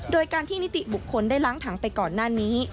โดยการที่นิติบุคคลได้ล้างถังไปก่อนหน้านี้